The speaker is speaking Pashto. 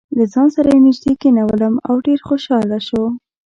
له ځان سره یې نژدې کېنولم او ډېر خوشاله شو.